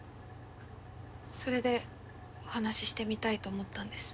それでお話してみたいと思ったんです。